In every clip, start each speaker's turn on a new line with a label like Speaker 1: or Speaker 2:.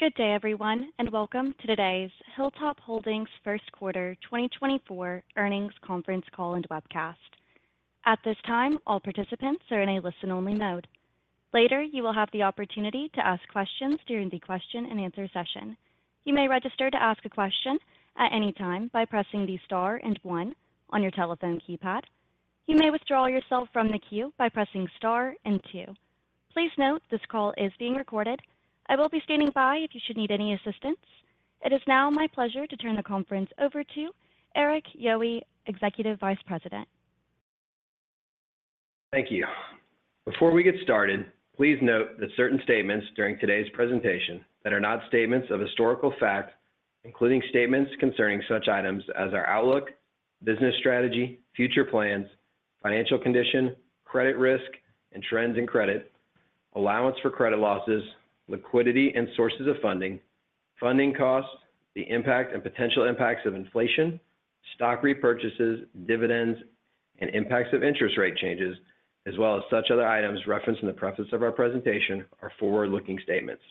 Speaker 1: Good day, everyone, and welcome to today's Hilltop Holdings first quarter 2024 earnings conference call and webcast. At this time, all participants are in a listen-only mode. Later, you will have the opportunity to ask questions during the question and answer session. You may register to ask a question at any time by pressing the Star and one on your telephone keypad. You may withdraw yourself from the queue by pressing Star and two. Please note, this call is being recorded. I will be standing by if you should need any assistance. It is now my pleasure to turn the conference over to Erik Yohe, Executive Vice President.
Speaker 2: Thank you. Before we get started, please note that certain statements during today's presentation that are not statements of historical fact, including statements concerning such items as our outlook, business strategy, future plans, financial condition, credit risk and trends in credit, allowance for credit losses, liquidity and sources of funding, funding costs, the impact and potential impacts of inflation, stock repurchases, dividends, and impacts of interest rate changes, as well as such other items referenced in the preface of our presentation are forward-looking statements.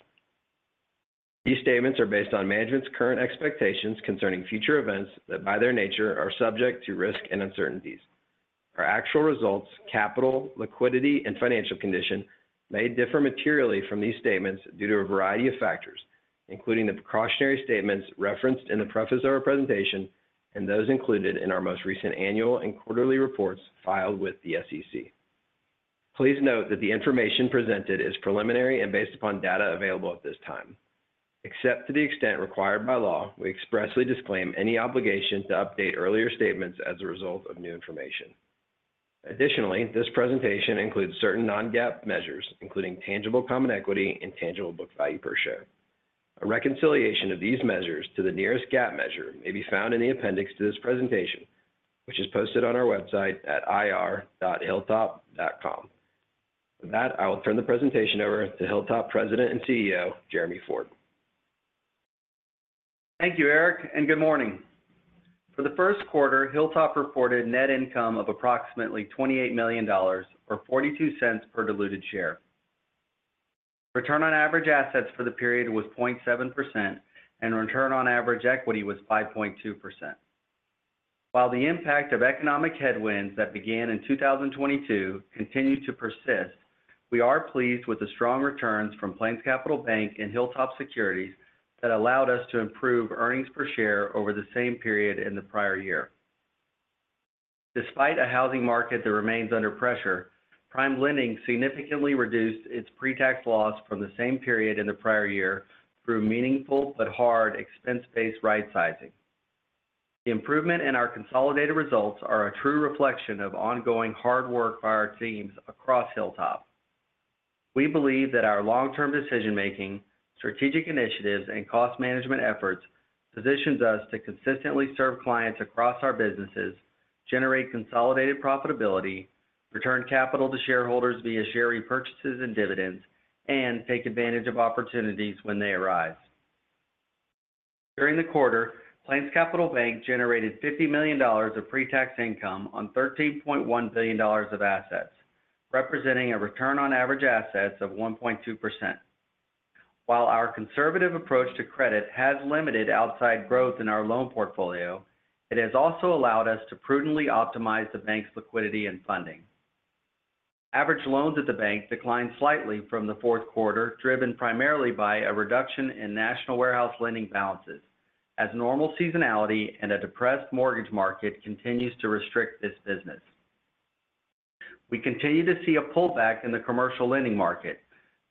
Speaker 2: These statements are based on management's current expectations concerning future events that, by their nature, are subject to risk and uncertainties. Our actual results, capital, liquidity, and financial condition may differ materially from these statements due to a variety of factors, including the precautionary statements referenced in the preface of our presentation and those included in our most recent annual and quarterly reports filed with the SEC. Please note that the information presented is preliminary and based upon data available at this time. Except to the extent required by law, we expressly disclaim any obligation to update earlier statements as a result of new information. Additionally, this presentation includes certain non-GAAP measures, including tangible common equity and tangible book value per share. A reconciliation of these measures to the nearest GAAP measure may be found in the appendix to this presentation, which is posted on our website at ir.hilltop.com. With that, I will turn the presentation over to Hilltop President and CEO, Jeremy Ford.
Speaker 3: Thank you, Erik, and good morning. For the first quarter, Hilltop reported net income of approximately $28 million or $0.42 per diluted share. Return on average assets for the period was 0.7%, and return on average equity was 5.2%. While the impact of economic headwinds that began in 2022 continue to persist, we are pleased with the strong returns from PlainsCapital Bank and Hilltop Securities that allowed us to improve earnings per share over the same period in the prior year. Despite a housing market that remains under pressure, PrimeLending significantly reduced its pre-tax loss from the same period in the prior year through meaningful but hard expense-based right sizing. The improvement in our consolidated results are a true reflection of ongoing hard work by our teams across Hilltop. We believe that our long-term decision-making, strategic initiatives, and cost management efforts positions us to consistently serve clients across our businesses, generate consolidated profitability, return capital to shareholders via share repurchases and dividends, and take advantage of opportunities when they arise. During the quarter, PlainsCapital Bank generated $50 million of pre-tax income on $13.1 billion of assets, representing a return on average assets of 1.2%. While our conservative approach to credit has limited outside growth in our loan portfolio, it has also allowed us to prudently optimize the bank's liquidity and funding. Average loans at the bank declined slightly from the fourth quarter, driven primarily by a reduction in national warehouse lending balances, as normal seasonality and a depressed mortgage market continues to restrict this business. We continue to see a pullback in the commercial lending market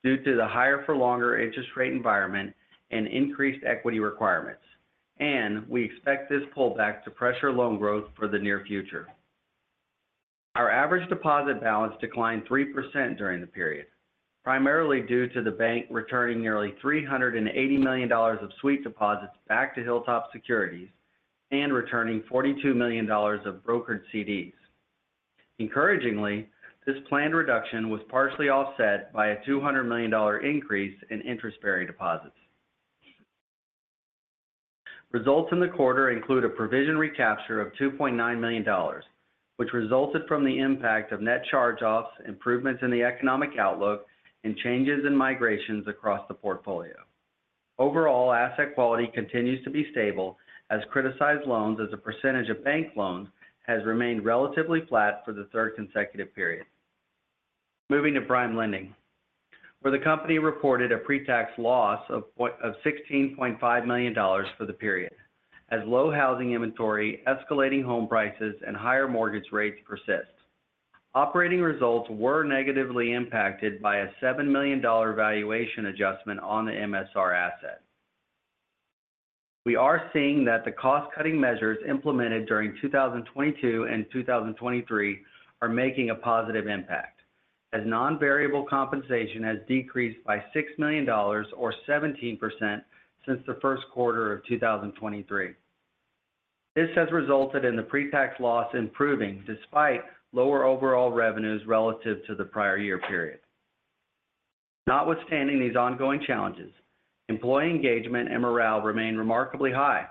Speaker 3: due to the higher-for-longer interest rate environment and increased equity requirements, and we expect this pullback to pressure loan growth for the near future. Our average deposit balance declined 3% during the period, primarily due to the bank returning nearly $380 million of sweep deposits back to Hilltop Securities and returning $42 million of brokered CDs. Encouragingly, this planned reduction was partially offset by a $200 million increase in interest-bearing deposits. Results in the quarter include a provision recapture of $2.9 million, which resulted from the impact of net charge-offs, improvements in the economic outlook, and changes in migrations across the portfolio. Overall, asset quality continues to be stable as criticized loans as a percentage of bank loans has remained relatively flat for the third consecutive period. Moving to PrimeLending, where the company reported a pre-tax loss of $16.5 million for the period, as low housing inventory, escalating home prices, and higher mortgage rates persist. Operating results were negatively impacted by a $7 million valuation adjustment on the MSR asset. We are seeing that the cost-cutting measures implemented during 2022 and 2023 are making a positive impact, as non-variable compensation has decreased by $6 million or 17% since the first quarter of 2023. This has resulted in the pre-tax loss improving despite lower overall revenues relative to the prior year period. Notwithstanding these ongoing challenges, employee engagement and morale remain remarkably high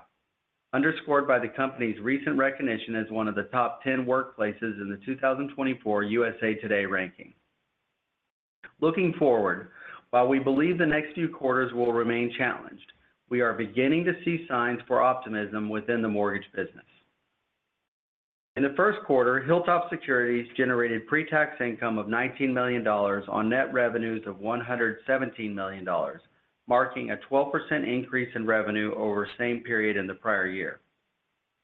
Speaker 3: underscored by the company's recent recognition as one of the top 10 workplaces in the 2024 USA Today ranking. Looking forward, while we believe the next few quarters will remain challenged, we are beginning to see signs for optimism within the mortgage business. In the first quarter, Hilltop Securities generated pre-tax income of $19 million on net revenues of $117 million, marking a 12% increase in revenue over the same period in the prior year.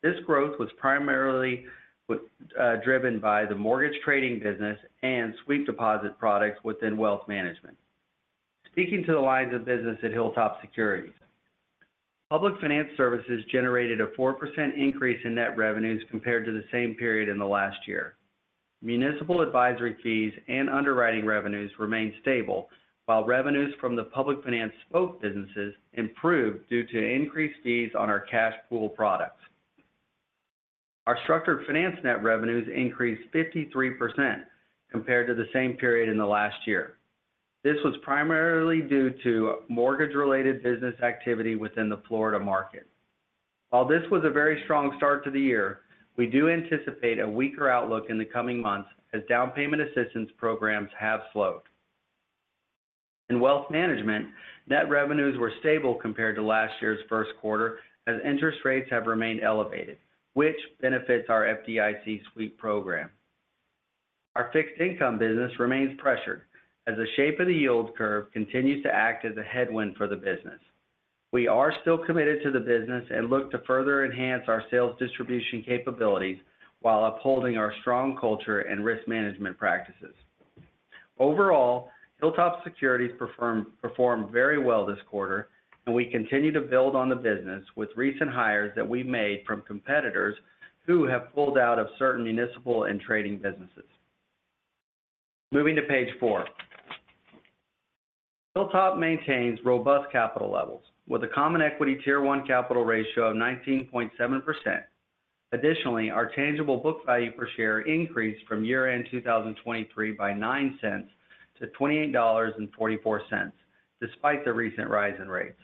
Speaker 3: This growth was primarily driven by the mortgage trading business and sweep deposit products within wealth management. Speaking to the lines of business at Hilltop Securities, public finance services generated a 4% increase in net revenues compared to the same period in the last year. Municipal advisory fees and underwriting revenues remained stable, while revenues from the public finance spoke businesses improved due to increased fees on our cash pool products. Our structured finance net revenues increased 53% compared to the same period in the last year. This was primarily due to mortgage-related business activity within the Florida market. While this was a very strong start to the year, we do anticipate a weaker outlook in the coming months as down payment assistance programs have slowed. In wealth management, net revenues were stable compared to last year's first quarter, as interest rates have remained elevated, which benefits our FDIC sweep program. Our fixed income business remains pressured as the shape of the yield curve continues to act as a headwind for the business. We are still committed to the business and look to further enhance our sales distribution capabilities while upholding our strong culture and risk management practices. Overall, Hilltop Securities performed very well this quarter, and we continue to build on the business with recent hires that we made from competitors who have pulled out of certain municipal and trading businesses. Moving to Page 4. Hilltop maintains robust capital levels, with a common equity Tier 1 capital ratio of 19.7%. Additionally, our tangible book value per share increased from year-end 2023 by $0.09-$28.44, despite the recent rise in rates.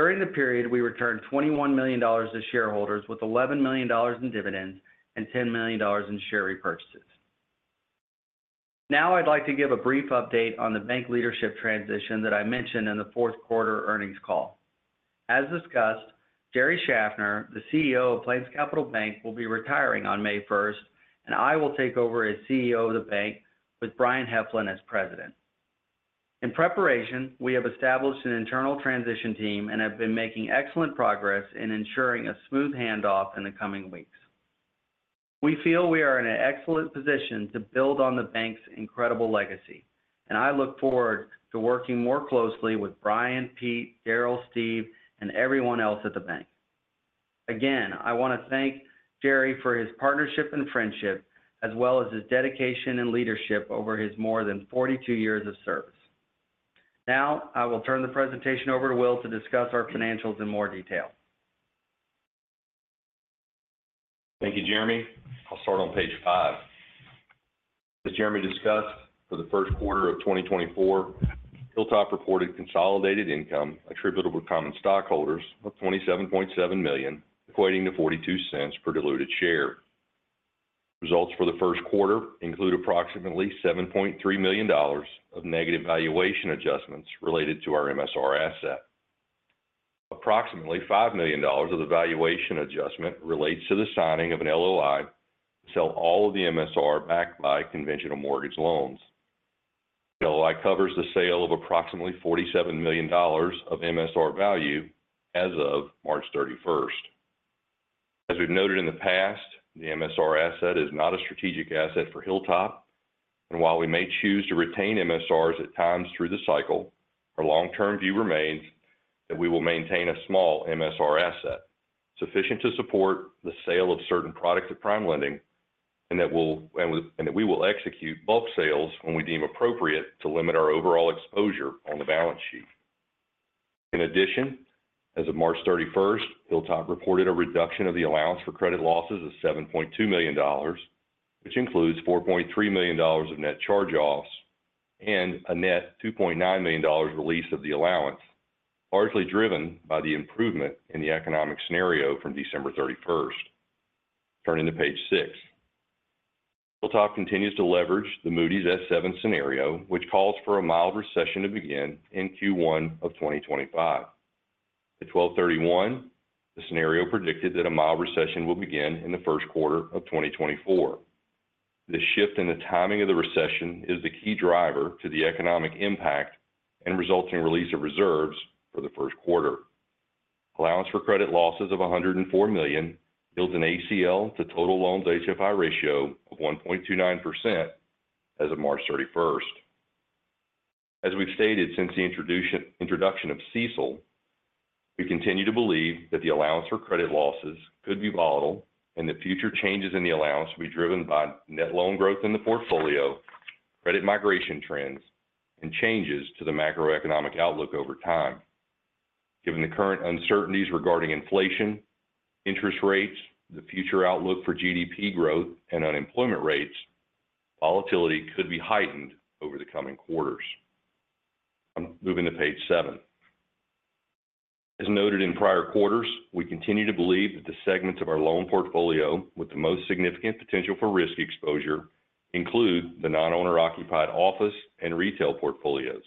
Speaker 3: During the period, we returned $21 million to shareholders with $11 million in dividends and $10 million in share repurchases. Now, I'd like to give a brief update on the bank leadership transition that I mentioned in the fourth quarter earnings call. As discussed, Jerry Schaffner, the CEO of PlainsCapital Bank, will be retiring on May first, and I will take over as CEO of the bank, with Brian Heflin as president. In preparation, we have established an internal transition team and have been making excellent progress in ensuring a smooth handoff in the coming weeks. We feel we are in an excellent position to build on the bank's incredible legacy, and I look forward to working more closely with Brian, Pete, Daryl, Steve, and everyone else at the bank. Again, I want to thank Jerry for his partnership and friendship, as well as his dedication and leadership over his more than 42 years of service. Now, I will turn the presentation over to Will to discuss our financials in more detail.
Speaker 4: Thank you, Jeremy. I'll start on Page 5. As Jeremy discussed, for the first quarter of 2024, Hilltop reported consolidated income attributable to common stockholders of $27.7 million, equating to $0.42 per diluted share. Results for the first quarter include approximately $7.3 million of negative valuation adjustments related to our MSR asset. Approximately $5 million of the valuation adjustment relates to the signing of an LOI to sell all of the MSR backed by conventional mortgage loans. The LOI covers the sale of approximately $47 million of MSR value as of March 31st. As we've noted in the past, the MSR asset is not a strategic asset for Hilltop, and while we may choose to retain MSRs at times through the cycle, our long-term view remains that we will maintain a small MSR asset sufficient to support the sale of certain products of PrimeLending, and that we will execute bulk sales when we deem appropriate to limit our overall exposure on the balance sheet. In addition, as of March 31st, Hilltop reported a reduction of the allowance for credit losses of $7.2 million, which includes $4.3 million of net charge-offs and a net $2.9 million release of the allowance, largely driven by the improvement in the economic scenario from December 31st. Turning to Page 6. Hilltop continues to leverage the Moody's S7 scenario, which calls for a mild recession to begin in Q1 of 2025. At 12/31, the scenario predicted that a mild recession will begin in the first quarter of 2024. The shift in the timing of the recession is the key driver to the economic impact and results in release of reserves for the first quarter. Allowance for credit losses of $104 million builds an ACL to total loans HFI ratio of 1.29% as of March 31st. As we've stated since the introduction of CECL, we continue to believe that the allowance for credit losses could be volatile, and that future changes in the allowance will be driven by net loan growth in the portfolio, credit migration trends, and changes to the macroeconomic outlook over time. Given the current uncertainties regarding inflation, interest rates, the future outlook for GDP growth and unemployment rates, volatility could be heightened over the coming quarters. I'm moving to Page 7. As noted in prior quarters, we continue to believe that the segments of our loan portfolio with the most significant potential for risk exposure include the non-owner occupied office and retail portfolios.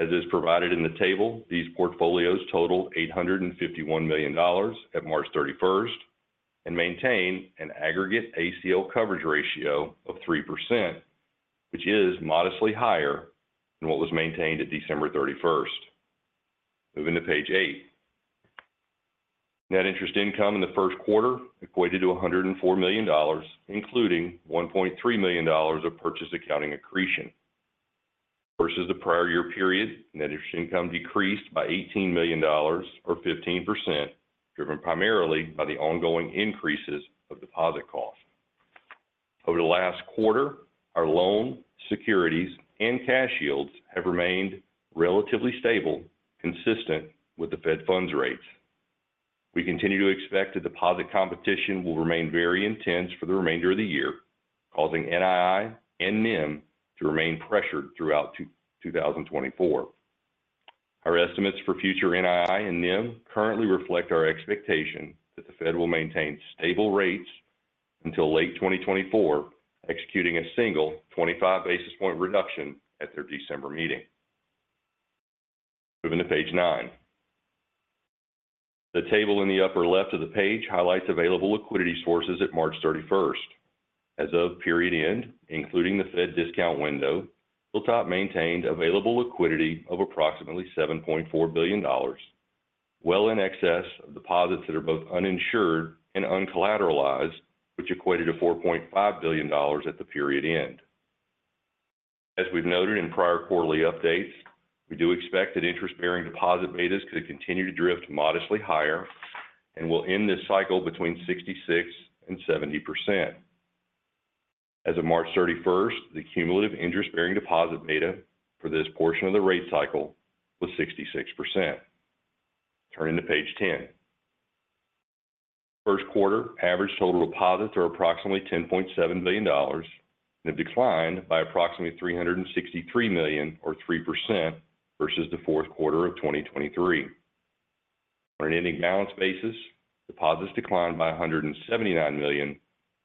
Speaker 4: As is provided in the table, these portfolios totaled $851 million at March 31st, and maintain an aggregate ACL coverage ratio of 3%, which is modestly higher than what was maintained at December 31st. Moving to Page 8. Net interest income in the first quarter equated to $104 million, including $1.3 million of purchase accounting accretion. Versus the prior year period, net interest income decreased by $18 million or 15%, driven primarily by the ongoing increases of deposit costs. Over the last quarter, our loan, securities, and cash yields have remained relatively stable, consistent with the Fed funds rates. We continue to expect that deposit competition will remain very intense for the remainder of the year, causing NII and NIM to remain pressured throughout 2024. Our estimates for future NII and NIM currently reflect our expectation that the Fed will maintain stable rates until late 2024, executing a single 25 basis point reduction at their December meeting. Moving to Page 9. The table in the upper left of the page highlights available liquidity sources at March 31st. As of period end, including the Fed discount window, Hilltop maintained available liquidity of approximately $7.4 billion, well in excess of deposits that are both uninsured and uncollateralized, which equated to $4.5 billion at the period end. As we've noted in prior quarterly updates, we do expect that interest-bearing deposit betas could continue to drift modestly higher and will end this cycle between 66% and 70%. As of March 31st, the cumulative interest-bearing deposit beta for this portion of the rate cycle was 66%. Turning to Page 10. First quarter, average total deposits are approximately $10.7 billion, and have declined by approximately $363 million or 3% versus the fourth quarter of 2023. On an ending balance basis, deposits declined by $179 million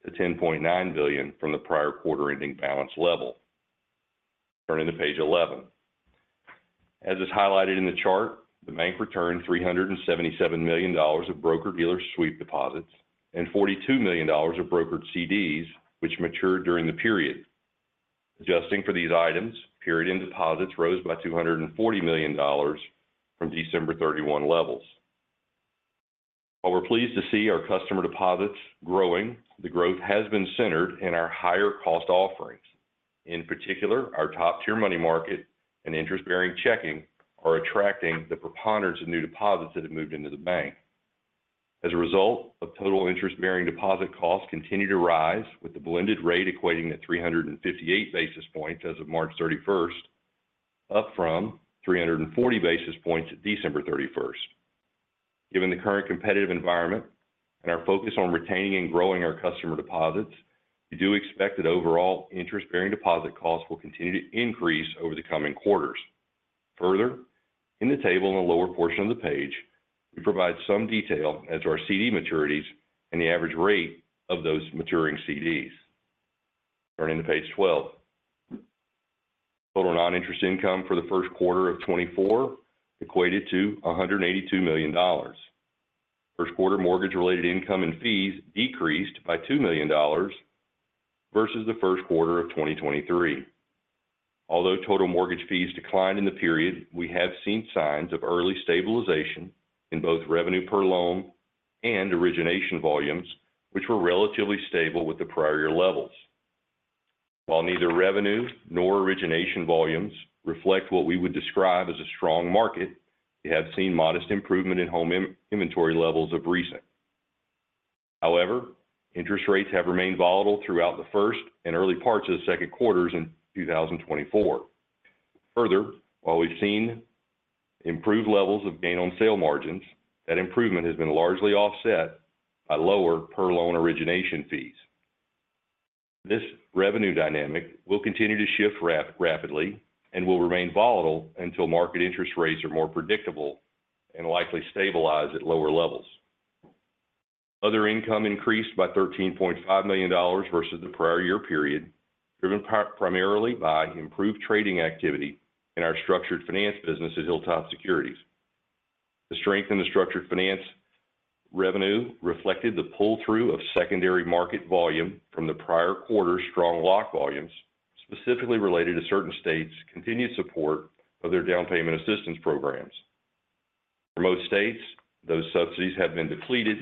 Speaker 4: to $10.9 billion from the prior quarter ending balance level. Turning to Page 11. As is highlighted in the chart, the bank returned $377 million of broker-dealer sweep deposits and $42 million of brokered CDs, which matured during the period. Adjusting for these items, period end deposits rose by $240 million from December 31 levels. While we're pleased to see our customer deposits growing, the growth has been centered in our higher cost offerings. In particular, our top-tier money market and interest-bearing checking are attracting the preponderance of new deposits that have moved into the bank. As a result, total interest-bearing deposit costs continue to rise, with the blended rate equating to 358 basis points as of March 31st, up from 340 basis points at December 31st. Given the current competitive environment and our focus on retaining and growing our customer deposits, we do expect that overall interest-bearing deposit costs will continue to increase over the coming quarters. Further, in the table in the lower portion of the page, we provide some detail as to our CD maturities and the average rate of those maturing CDs. Turning to Page 12. Total non-interest income for the first quarter of 2024 equated to $182 million. First quarter mortgage-related income and fees decreased by $2 million versus the first quarter of 2023. Although total mortgage fees declined in the period, we have seen signs of early stabilization in both revenue per loan and origination volumes, which were relatively stable with the prior year levels. While neither revenue nor origination volumes reflect what we would describe as a strong market, we have seen modest improvement in home inventory levels of recent. However, interest rates have remained volatile throughout the first and early parts of the second quarters in 2024. Further, while we've seen improved levels of gain on sale margins, that improvement has been largely offset by lower per loan origination fees. This revenue dynamic will continue to shift rapidly and will remain volatile until market interest rates are more predictable and likely stabilize at lower levels. Other income increased by $13.5 million versus the prior year period, driven in part, primarily by improved trading activity in our structured finance business at Hilltop Securities. The strength in the structured finance revenue reflected the pull-through of secondary market volume from the prior quarter's strong lock volumes, specifically related to certain states' continued support of their down payment assistance programs. For most states, those subsidies have been depleted,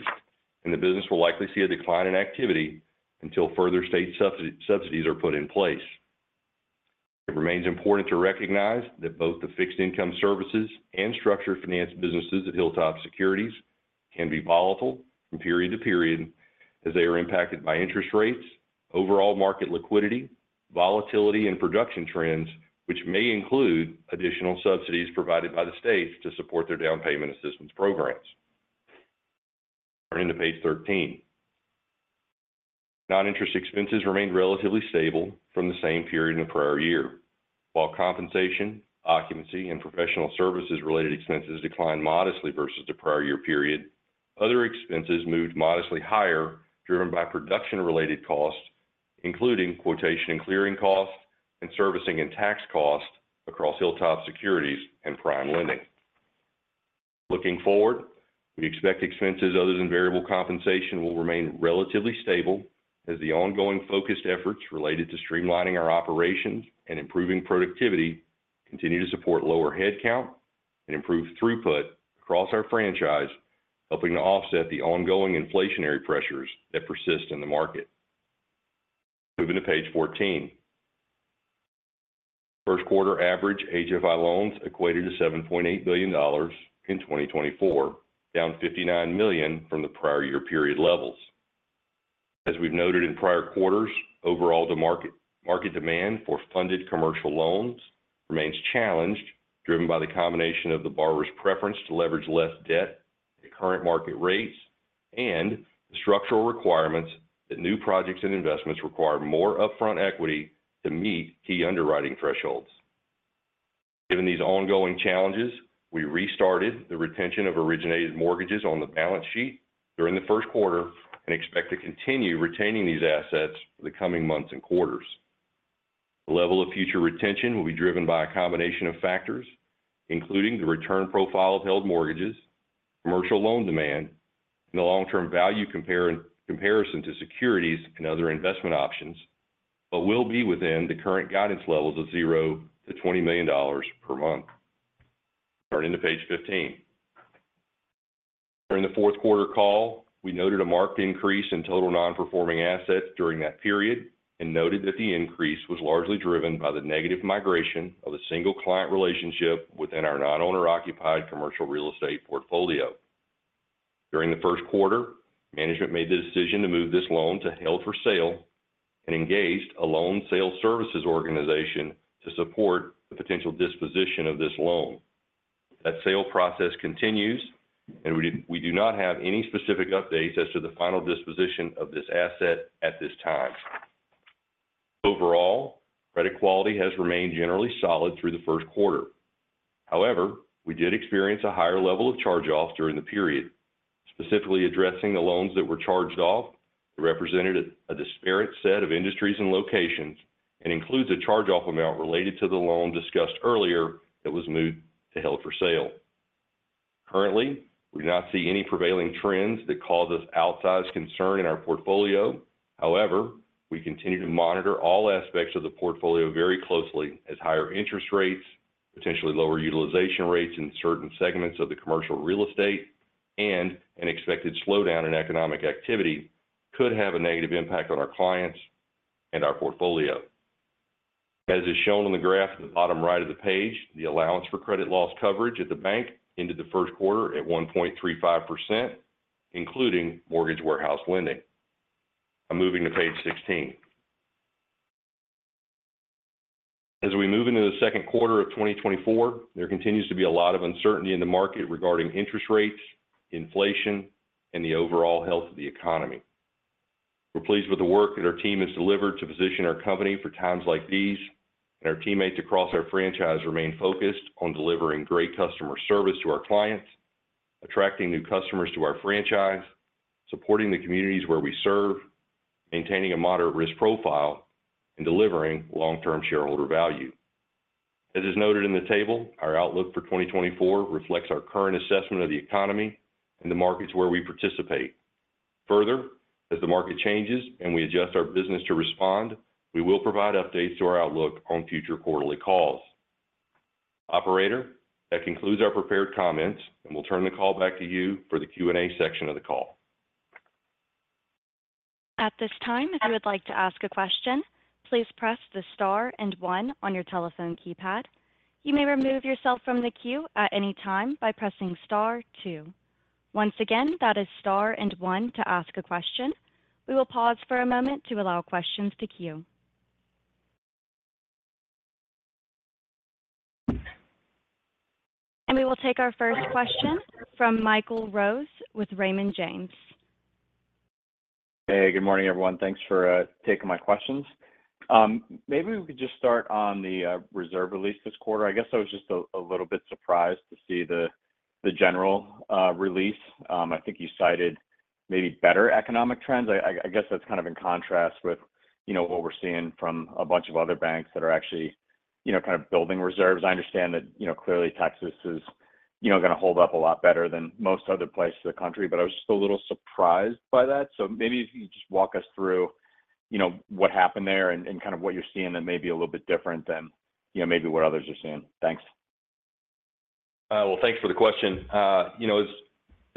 Speaker 4: and the business will likely see a decline in activity until further state subsidies are put in place. It remains important to recognize that both the fixed income services and structured finance businesses at Hilltop Securities can be volatile from period to period, as they are impacted by interest rates, overall market liquidity, volatility, and production trends, which may include additional subsidies provided by the states to support their down payment assistance programs. Turning to Page 13. Non-interest expenses remained relatively stable from the same period in the prior year. While compensation, occupancy, and professional services related expenses declined modestly versus the prior year period, other expenses moved modestly higher, driven by production-related costs, including quotation and clearing costs and servicing and tax costs across Hilltop Securities and PrimeLending. Looking forward, we expect expenses other than variable compensation will remain relatively stable as the ongoing focused efforts related to streamlining our operations and improving productivity continue to support lower head count and improve throughput across our franchise, helping to offset the ongoing inflationary pressures that persist in the market. Moving to Page 14. First quarter average HFI loans equated to $7.8 billion in 2024, down $59 million from the prior year period levels. As we've noted in prior quarters, overall, the market, market demand for funded commercial loans remains challenged, driven by the combination of the borrower's preference to leverage less debt at current market rates and the structural requirements that new projects and investments require more upfront equity to meet key underwriting thresholds. Given these ongoing challenges, we restarted the retention of originated mortgages on the balance sheet during the first quarter and expect to continue retaining these assets for the coming months and quarters. The level of future retention will be driven by a combination of factors, including the return profile of held mortgages, commercial loan demand, and the long-term value comparison to securities and other investment options, but will be within the current guidance levels of $0-$20 million per month. Turning to Page 15. During the fourth quarter call, we noted a marked increase in total non-performing assets during that period and noted that the increase was largely driven by the negative migration of a single client relationship within our non-owner occupied commercial real estate portfolio. During the first quarter, management made the decision to move this loan to held for sale and engaged a loan sales services organization to support the potential disposition of this loan. That sale process continues, and we do not have any specific updates as to the final disposition of this asset at this time. Overall, credit quality has remained generally solid through the first quarter. However, we did experience a higher level of charge-offs during the period. Specifically addressing the loans that were charged off, it represented a disparate set of industries and locations and includes a charge-off amount related to the loan discussed earlier that was moved to held for sale. Currently, we do not see any prevailing trends that cause us outsized concern in our portfolio. However, we continue to monitor all aspects of the portfolio very closely as higher interest rates, potentially lower utilization rates in certain segments of the commercial real estate, and an expected slowdown in economic activity could have a negative impact on our clients and our portfolio. As is shown on the graph at the bottom right of the page, the allowance for credit losses coverage at the bank into the first quarter at 1.35%, including mortgage warehouse lending. I'm moving to Page 16. As we move into the second quarter of 2024, there continues to be a lot of uncertainty in the market regarding interest rates, inflation, and the overall health of the economy. We're pleased with the work that our team has delivered to position our company for times like these, and our teammates across our franchise remain focused on delivering great customer service to our clients, attracting new customers to our franchise, supporting the communities where we serve, maintaining a moderate risk profile, and delivering long-term shareholder value. As is noted in the table, our outlook for 2024 reflects our current assessment of the economy and the markets where we participate. Further, as the market changes and we adjust our business to respond, we will provide updates to our outlook on future quarterly calls. Operator, that concludes our prepared comments, and we'll turn the call back to you for the Q&A section of the call.
Speaker 1: At this time, if you would like to ask a question, please press the Star and one on your telephone keypad. You may remove yourself from the queue at any time by pressing Star two. Once again, that is Star and one to ask a question. We will pause for a moment to allow questions to queue. We will take our first question from Michael Rose with Raymond James.
Speaker 5: Hey, good morning, everyone. Thanks for taking my questions. Maybe we could just start on the reserve release this quarter. I guess I was just a little bit surprised to see the general release. I think you cited maybe better economic trends. I guess that's kind of in contrast with, you know, what we're seeing from a bunch of other banks that are actually, you know, kind of building reserves. I understand that, you know, clearly Texas is, you know, gonna hold up a lot better than most other places in the country, but I was just a little surprised by that. So maybe if you just walk us through, you know, what happened there and kind of what you're seeing that may be a little bit different than, you know, maybe what others are seeing. Thanks.
Speaker 4: Well, thanks for the question. You know,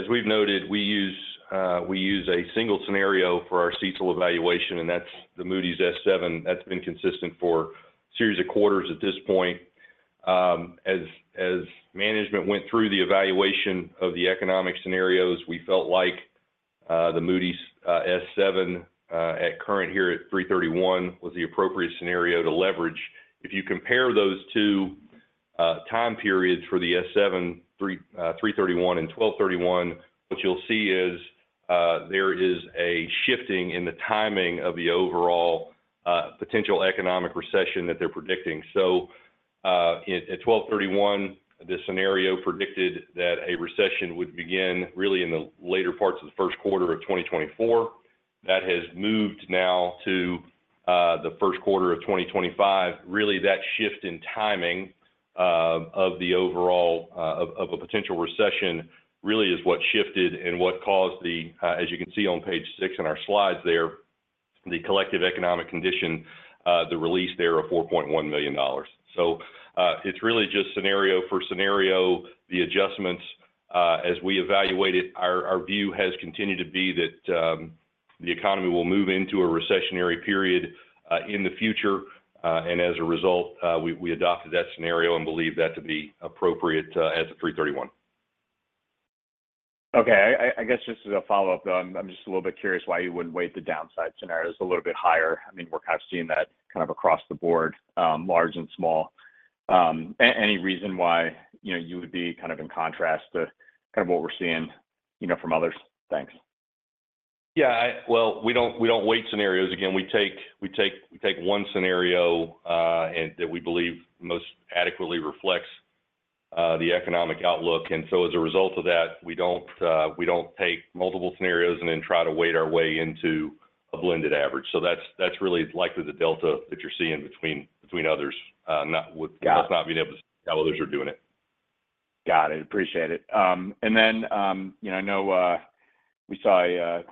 Speaker 4: as we've noted, we use a single scenario for our CECL evaluation, and that's the Moody's S7. That's been consistent for series of quarters at this point. As management went through the evaluation of the economic scenarios, we felt like the Moody's S7 at current here at 3/31 was the appropriate scenario to leverage. If you compare those two time periods for the S7, 3/31 and 12/31, what you'll see is there is a shifting in the timing of the overall potential economic recession that they're predicting. So, at 12/31, the scenario predicted that a recession would begin really in the later parts of the first quarter of 2024. That has moved now to the first quarter of 2025. Really, that shift in timing of the overall of a potential recession really is what shifted and what caused the, as you can see on Page 6 in our slides there, the collective economic condition, the release there of $4.1 million. So, it's really just scenario for scenario, the adjustments. As we evaluate it, our view has continued to be that the economy will move into a recessionary period in the future. And as a result, we adopted that scenario and believe that to be appropriate as of 3/31.
Speaker 5: Okay. I guess just as a follow-up, though, I'm just a little bit curious why you wouldn't weight the downside scenarios a little bit higher. I mean, we're kind of seeing that kind of across the board, large and small. Any reason why, you know, you would be kind of in contrast to kind of what we're seeing, you know, from others? Thanks.
Speaker 4: Yeah, well, we don't weight scenarios. Again, we take one scenario, and that we believe most adequately reflects the economic outlook. And so as a result of that, we don't take multiple scenarios and then try to weight our way into a blended average. So that's really likely the delta that you're seeing between others, not with
Speaker 5: Got it.
Speaker 4: us not being able to see how others are doing it.
Speaker 5: Got it. Appreciate it. And then, you know, I know we saw a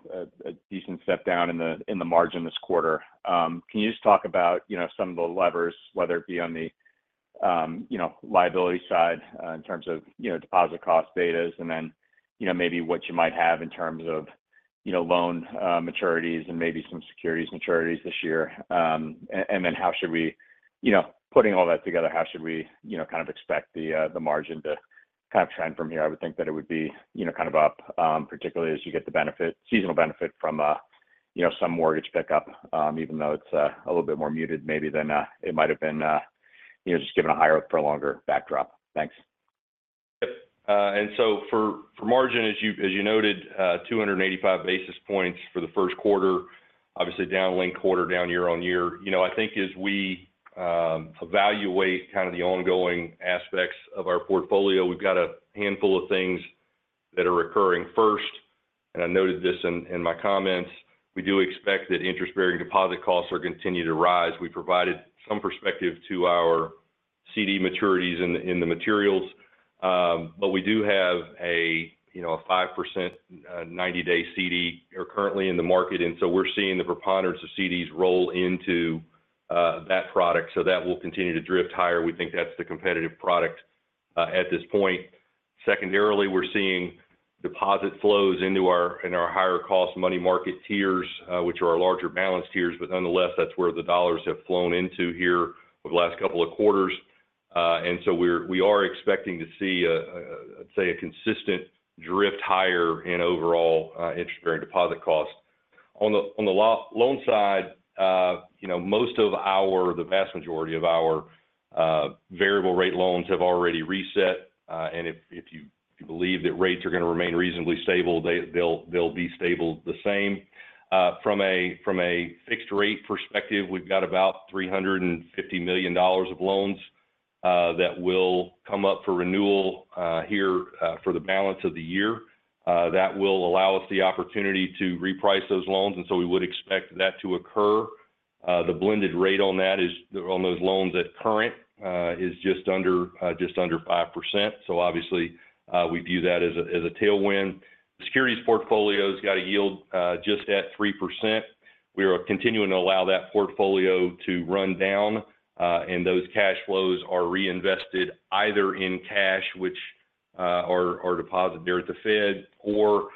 Speaker 5: decent step down in the margin this quarter. Can you just talk about, you know, some of the levers, whether it be on the, you know, liability side, in terms of, you know, deposit cost betas, and then, you know, maybe what you might have in terms of, you know, loan maturities and maybe some securities maturities this year? And then how should we you know, putting all that together, how should we, you know, kind of expect the margin to kind of trend from here? I would think that it would be, you know, kind of up, particularly as you get the seasonal benefit from, you know, some mortgage pickup, even though it's a little bit more muted maybe than it might have been, you know, just given a higher for a longer backdrop. Thanks.
Speaker 4: Yep. And so for margin, as you noted, 285 basis points for the first quarter, obviously down linked quarter, down year-on-year. You know, I think as we evaluate kind of the ongoing aspects of our portfolio, we've got a handful of things that are occurring first, and I noted this in my comments. We do expect that interest-bearing deposit costs will continue to rise. We provided some perspective to our CD maturities in the materials, but we do have a, you know, a 5%, 90-day CD are currently in the market, and so we're seeing the preponderance of CDs roll into that product, so that will continue to drift higher. We think that's the competitive product at this point. Secondarily, we're seeing deposit flows into our higher cost money market tiers, which are our larger balance tiers, but nonetheless, that's where the dollars have flown into here over the last couple of quarters. And so we are expecting to see, let's say, a consistent drift higher in overall interest-bearing deposit costs. On the loan side, you know, the vast majority of our variable rate loans have already reset. And if you believe that rates are going to remain reasonably stable, they'll be stable the same. From a fixed rate perspective, we've got about $350 million of loans that will come up for renewal here for the balance of the year. That will allow us the opportunity to reprice those loans, and so we would expect that to occur. The blended rate on that is, on those loans at current, is just under 5%. So obviously, we view that as a tailwind. Securities portfolio's got a yield just at 3%. We are continuing to allow that portfolio to run down, and those cash flows are reinvested either in cash, which are deposited there at the Fed, or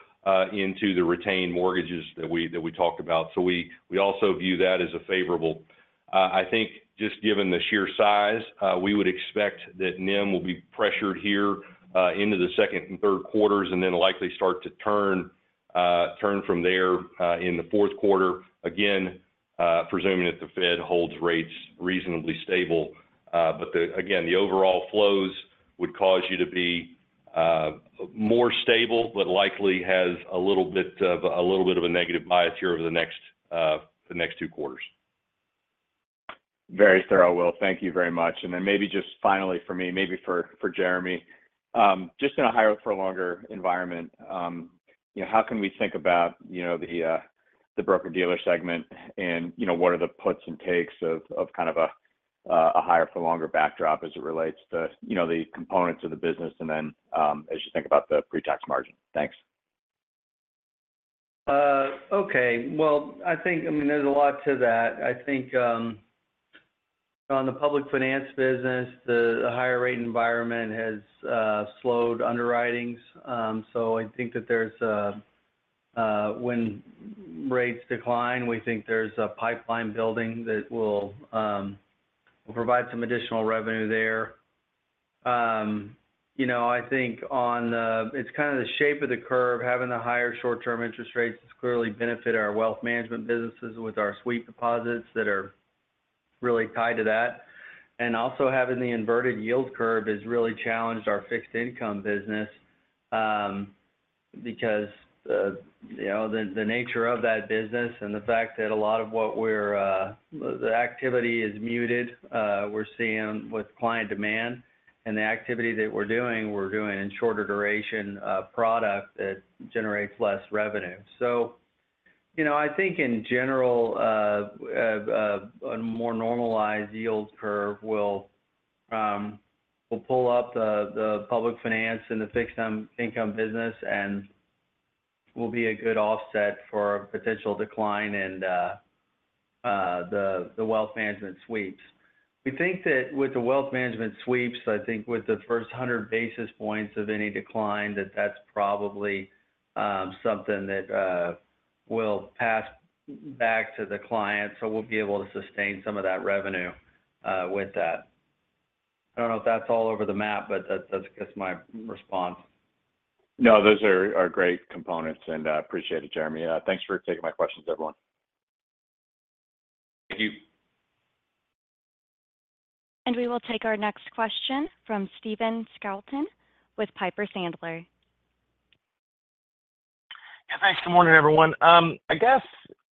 Speaker 4: into the retained mortgages that we talked about. So we also view that as a favorable. I think just given the sheer size, we would expect that NIM will be pressured here, into the second and third quarters, and then likely start to turn from there, in the fourth quarter. Again, presuming that the Fed holds rates reasonably stable, but the. Again, the overall flows would cause you to be more stable, but likely has a little bit of, a little bit of a negative bias here over the next, the next two quarters.
Speaker 5: Very thorough, Will. Thank you very much. And then maybe just finally for me, maybe for, for Jeremy, just in a higher for longer environment, you know, how can we think about, you know, the, the broker-dealer segment and, you know, what are the puts and takes of, of kind of a, a higher for longer backdrop as it relates to, you know, the components of the business, and then, as you think about the pre-tax margin? Thanks.
Speaker 3: Okay. Well, I think, I mean, there's a lot to that. I think on the public finance business, the higher rate environment has slowed underwritings. So I think that there's a, when rates decline, we think there's a pipeline building that will provide some additional revenue there. You know, I think on the, it's kind of the shape of the curve. Having the higher short-term interest rates clearly benefit our wealth management businesses with our sweep deposits that are really tied to that. And also, having the inverted yield curve has really challenged our fixed income business, because you know, the nature of that business and the fact that a lot of what we're, the activity is muted, we're seeing with client demand. And the activity that we're doing, we're doing in shorter duration product that generates less revenue. So, you know, I think in general, a more normalized yield curve will pull up the public finance and the fixed income business, and will be a good offset for a potential decline in the wealth management sweeps. We think that with the wealth management sweeps, I think with the first 100 basis points of any decline, that's probably something that will pass back to the client, so we'll be able to sustain some of that revenue with that. I don't know if that's all over the map, but that's just my response.
Speaker 5: No, those are great components, and I appreciate it, Jeremy. Thanks for taking my questions, everyone.
Speaker 4: Thank you.
Speaker 1: We will take our next question from Stephen Scouten with Piper Sandler.
Speaker 6: Yeah, thanks. Good morning, everyone. I guess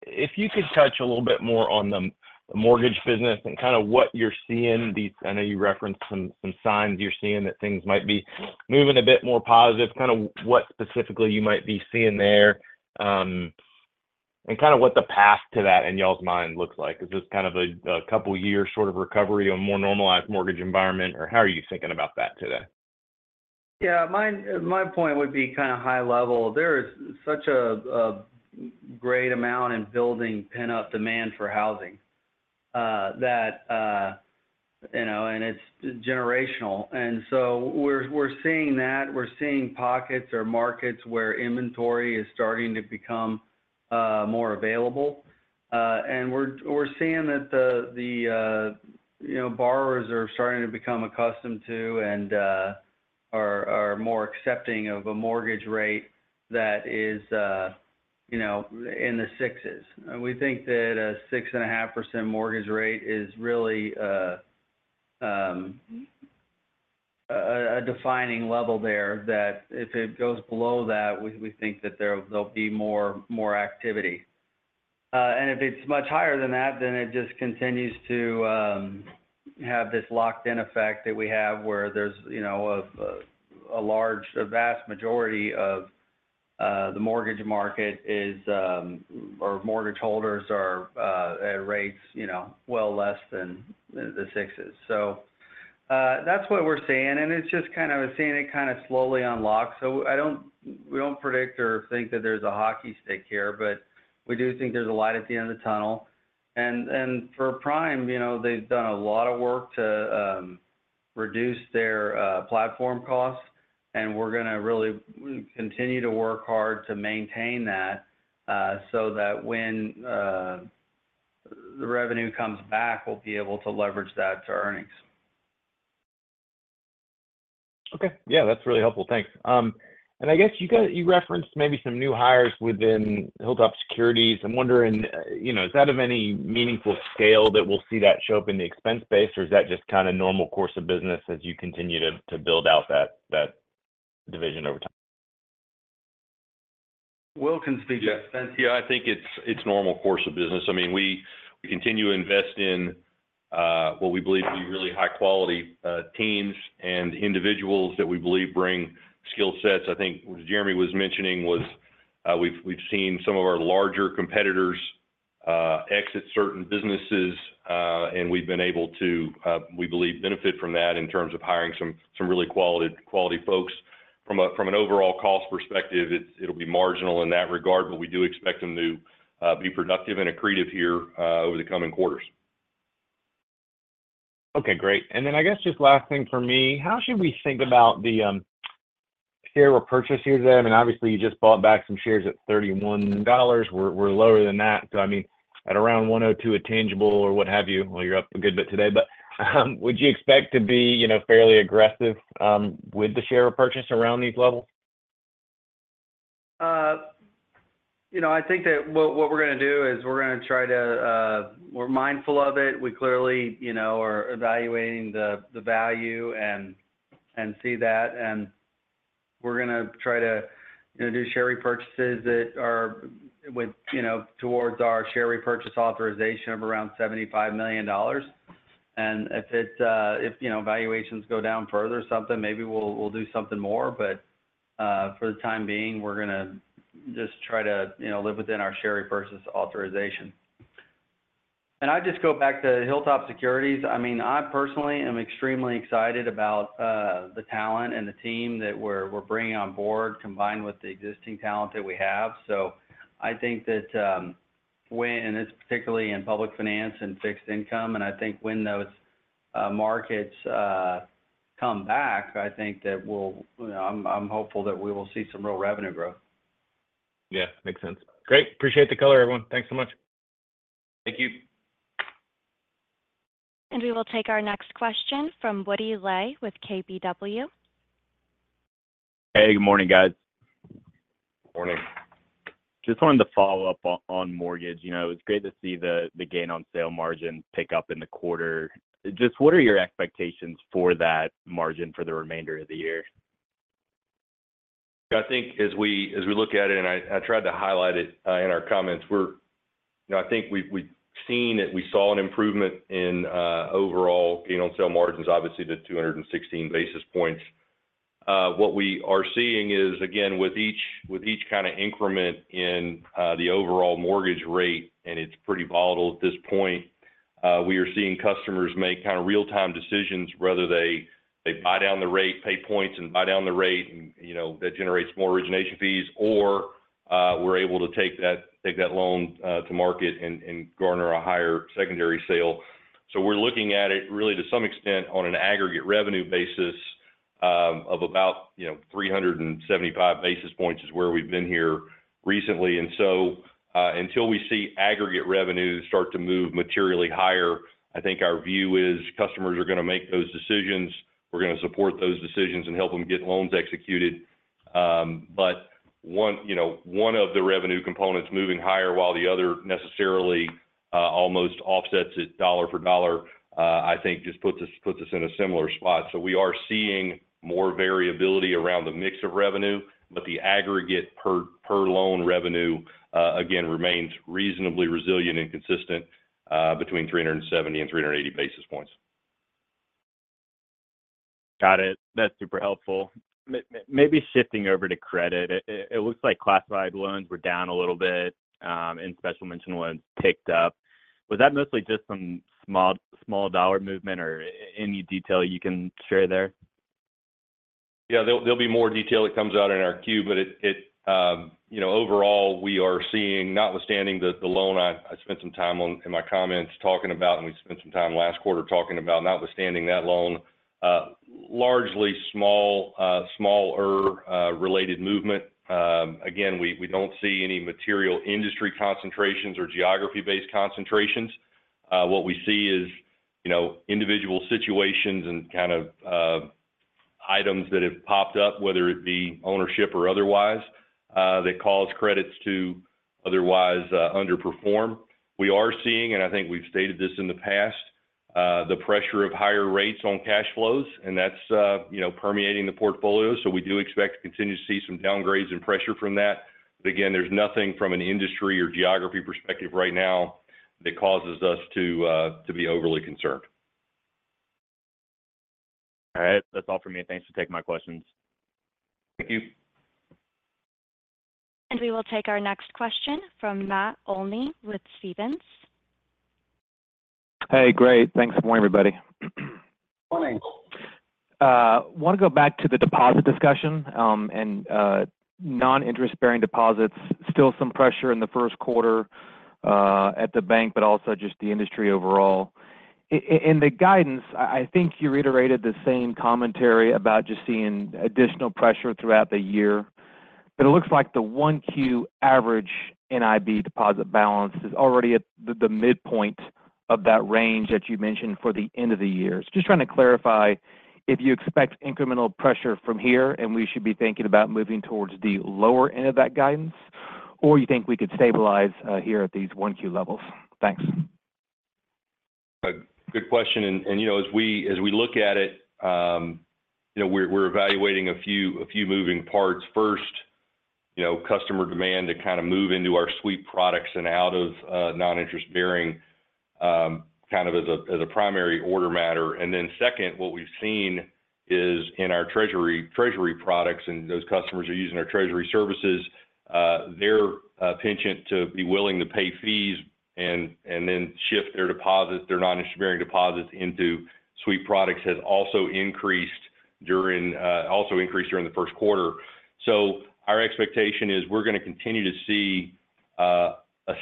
Speaker 6: if you could touch a little bit more on the mortgage business and kind of what you're seeing. I know you referenced some, some signs you're seeing that things might be moving a bit more positive. Kind of what specifically you might be seeing there, and kind of what the path to that, in y'all's mind, looks like. Is this kind of a couple of year sort of recovery, a more normalized mortgage environment, or how are you thinking about that today?
Speaker 3: Yeah, my point would be kind of high level. There is such a great amount in building pent-up demand for housing, you know, and it's generational. And so we're seeing that. We're seeing pockets or markets where inventory is starting to become more available. And we're seeing that the borrowers are starting to become accustomed to and are more accepting of a mortgage rate that is, you know, in the 6s. And we think that a 6.5% mortgage rate is really a defining level there, that if it goes below that, we think that there'll be more activity. And if it's much higher than that, then it just continues to have this locked-in effect that we have, where there's, you know, a large, vast majority of the mortgage market is or mortgage holders are at rates, you know, well less than the sixes. So that's what we're seeing, and it's just kind of seeing it kind of slowly unlock. So we don't predict or think that there's a hockey stick here, but we do think there's a light at the end of the tunnel. And for Prime, you know, they've done a lot of work to reduce their platform costs, and we're gonna really continue to work hard to maintain that, so that when the revenue comes back, we'll be able to leverage that to earnings.
Speaker 6: Okay. Yeah, that's really helpful. Thanks. And I guess you referenced maybe some new hires within Hilltop Securities. I'm wondering, you know, is that of any meaningful scale that we'll see that show up in the expense base, or is that just kind of normal course of business as you continue to build out that division over time?
Speaker 3: Will can speak to that.
Speaker 4: Yeah, I think it's normal course of business. I mean, we continue to invest in what we believe to be really high-quality teams and individuals that we believe bring skill sets. I think Jeremy was mentioning, we've seen some of our larger competitors exit certain businesses, and we've been able to, we believe, benefit from that in terms of hiring some really quality folks. From an overall cost perspective, it's—it'll be marginal in that regard, but we do expect them to be productive and accretive here over the coming quarters.
Speaker 6: Okay, great. And then I guess just last thing for me, how should we think about the share repurchase here then? I mean, obviously, you just bought back some shares at $31. We're, we're lower than that. So I mean, at around 102 at tangible or what have you, well, you're up a good bit today, but would you expect to be, you know, fairly aggressive with the share purchase around these levels?
Speaker 3: You know, I think that what we're gonna do is we're gonna try to. We're mindful of it. We clearly, you know, are evaluating the value and see that, and we're gonna try to, you know, do share repurchases that are with, you know, towards our share repurchase authorization of around $75 million. And if it, you know, valuations go down further or something, maybe we'll do something more. But for the time being, we're gonna just try to, you know, live within our share repurchase authorization. And I'd just go back to Hilltop Securities. I mean, I personally am extremely excited about the talent and the team that we're bringing on board, combined with the existing talent that we have. So I think that, and it's particularly in public finance and fixed income, and I think when those markets come back, I think that we'll, you know, I'm hopeful that we will see some real revenue growth.
Speaker 6: Yeah, makes sense. Great! Appreciate the color, everyone. Thanks so much.
Speaker 4: Thank you.
Speaker 1: We will take our next question from Woody Lay with KBW.
Speaker 7: Hey, good morning, guys.
Speaker 4: Morning.
Speaker 7: Just wanted to follow up on mortgage. You know, it's great to see the gain on sale margin pick up in the quarter. Just what are your expectations for that margin for the remainder of the year?
Speaker 4: I think as we look at it, and I tried to highlight it in our comments, we're you know, I think we've seen it. We saw an improvement in overall gain on sale margins, obviously, the 216 basis points. What we are seeing is, again, with each kind of increment in the overall mortgage rate, and it's pretty volatile at this point, we are seeing customers make kind of real-time decisions whether they buy down the rate, pay points, and buy down the rate, and, you know, that generates more origination fees, or, we're able to take that loan to market and garner a higher secondary sale. So we're looking at it really, to some extent, on an aggregate revenue basis, of about, you know, 375 basis points is where we've been here recently. And so, until we see aggregate revenues start to move materially higher, I think our view is customers are going to make those decisions. We're going to support those decisions and help them get loans executed. But one, you know, one of the revenue components moving higher while the other necessarily, almost offsets it dollar for dollar, I think just puts us in a similar spot. So we are seeing more variability around the mix of revenue, but the aggregate per loan revenue, again, remains reasonably resilient and consistent, between 370 basis points and 380 basis points.
Speaker 7: Got it. That's super helpful. Maybe shifting over to credit, it looks like classified loans were down a little bit, and special mention loans ticked up. Was that mostly just some small, small dollar movement, or any detail you can share there?
Speaker 4: Yeah. There'll be more detail that comes out in our 10-Q, but it, you know, overall, we are seeing notwithstanding the loan I spent some time on in my comments talking about, and we spent some time last quarter talking about notwithstanding that loan, largely small, smaller, related movement. Again, we don't see any material industry concentrations or geography-based concentrations. What we see is, you know, individual situations and kind of, items that have popped up, whether it be ownership or otherwise, that cause credits to otherwise underperform. We are seeing, and I think we've stated this in the past, the pressure of higher rates on cash flows, and that's, you know, permeating the portfolio. So we do expect to continue to see some downgrades and pressure from that. But again, there's nothing from an industry or geography perspective right now that causes us to be overly concerned.
Speaker 7: All right. That's all for me, and thanks for taking my questions.
Speaker 4: Thank you.
Speaker 1: We will take our next question from Matt Olney with Stephens.
Speaker 8: Hey, great. Thanks. Good morning, everybody.
Speaker 3: Morning.
Speaker 8: Want to go back to the deposit discussion, and non-interest-bearing deposits. Still some pressure in the first quarter at the bank, but also just the industry overall. And the guidance, I think you reiterated the same commentary about just seeing additional pressure throughout the year. But it looks like the 1Q average NIB deposit balance is already at the midpoint of that range that you mentioned for the end of the year. Just trying to clarify if you expect incremental pressure from here, and we should be thinking about moving towards the lower end of that guidance, or you think we could stabilize here at these 1Q levels? Thanks.
Speaker 4: Good question, and you know, as we look at it, you know, we're evaluating a few moving parts. First, you know, customer demand to kind of move into our suite products and out of non-interest-bearing kind of as a primary order matter. And then second, what we've seen is in our treasury products, and those customers are using our treasury services, their penchant to be willing to pay fees and then shift their deposits, their non-interest-bearing deposits into sweep products has also increased during the first quarter. So our expectation is we're going to continue to see a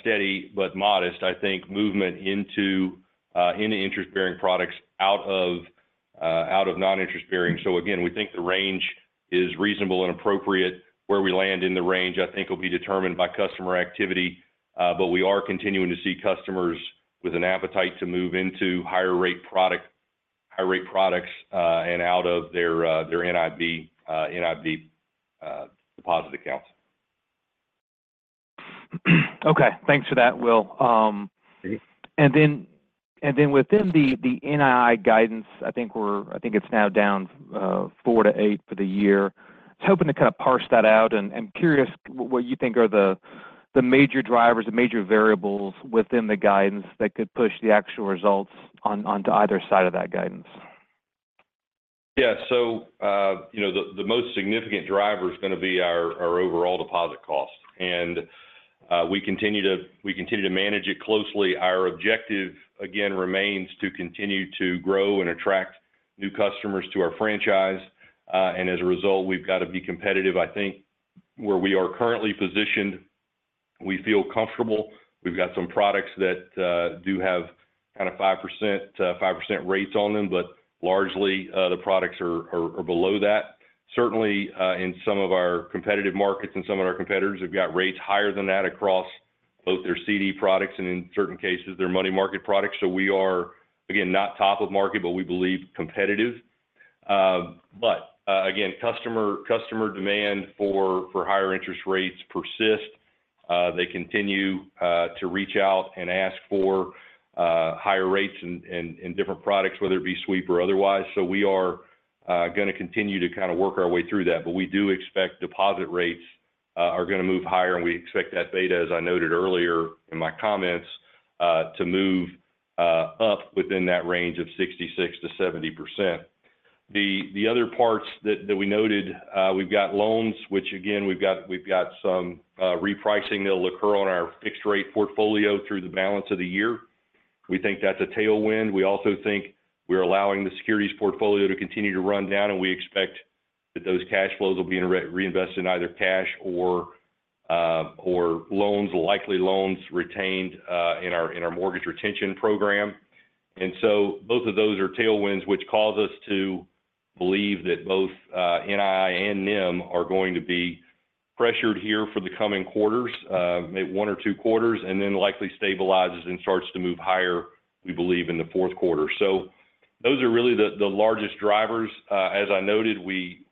Speaker 4: steady but modest, I think, movement into interest-bearing products out of non-interest-bearing. So again, we think the range is reasonable and appropriate. Where we land in the range, I think, will be determined by customer activity, but we are continuing to see customers with an appetite to move into higher rate product, higher rate products, and out of their, their NIB, NIB deposit accounts.
Speaker 8: Okay, thanks for that, Will.
Speaker 4: Okay.
Speaker 8: Wihin the NII guidance, I think it's now down 4-8 for the year. I was hoping to kind of parse that out, and curious what you think are the major drivers, the major variables within the guidance that could push the actual results onto either side of that guidance.
Speaker 4: Yeah. So, you know, the most significant driver is going to be our overall deposit cost, and we continue to manage it closely. Our objective, again, remains to continue to grow and attract new customers to our franchise, and as a result, we've got to be competitive. I think where we are currently positioned, we feel comfortable. We've got some products that do have kind of 5%, 5% rates on them, but largely, the products are below that. Certainly, in some of our competitive markets and some of our competitors, we've got rates higher than that across both their CD products and in certain cases, their money market products. So we are, again, not top of market, but we believe competitive. But, again, customer demand for higher interest rates persist. They continue to reach out and ask for higher rates in different products, whether it be sweep or otherwise. So we are gonna continue to kind of work our way through that. But we do expect deposit rates are gonna move higher, and we expect that beta, as I noted earlier in my comments, to move up within that range of 66%-70%. The other parts that we noted, we've got loans, which again, we've got some repricing that'll occur on our fixed rate portfolio through the balance of the year. We think that's a tailwind. We also think we're allowing the securities portfolio to continue to run down, and we expect that those cash flows will be reinvested in either cash or loans, likely loans retained in our mortgage retention program. And so both of those are tailwinds, which cause us to believe that both NII and NIM are going to be pressured here for the coming quarters, maybe one or two quarters, and then likely stabilizes and starts to move higher, we believe, in the fourth quarter. So those are really the largest drivers. As I noted, we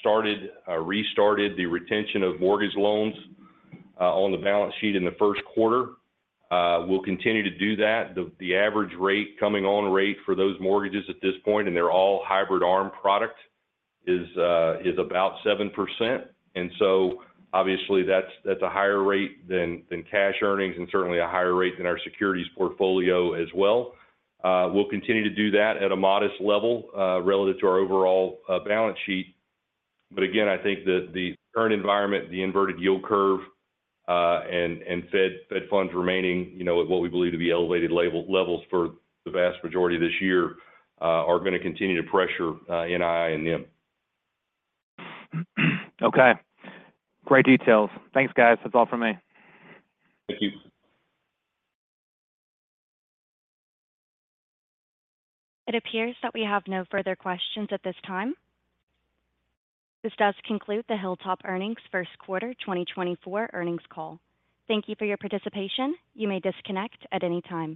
Speaker 4: started or restarted the retention of mortgage loans on the balance sheet in the first quarter. We'll continue to do that. The average rate for those mortgages at this point, and they're all hybrid ARM products, is about 7%. And so obviously, that's a higher rate than cash earnings and certainly a higher rate than our securities portfolio as well. We'll continue to do that at a modest level relative to our overall balance sheet. But again, I think the current environment, the inverted yield curve, and Fed funds remaining, you know, at what we believe to be elevated levels for the vast majority of this year, are gonna continue to pressure NII and NIM.
Speaker 8: Okay. Great details. Thanks, guys. That's all from me.
Speaker 4: Thank you.
Speaker 1: It appears that we have no further questions at this time. This does conclude the Hilltop earnings first quarter 2024 earnings call. Thank you for your participation. You may disconnect at any time.